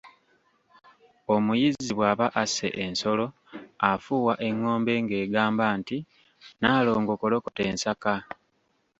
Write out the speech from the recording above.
Omuyizzi bw'aba asse ensolo afuuwa engombe ng'egamba nti; 'Nnaalongo kolokota ensaka'.